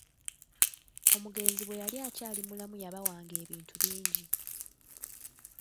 Omugenzi bwe yali akyali mulamu yabawanga ebintu bingi.